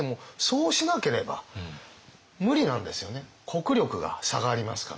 国力が差がありますから。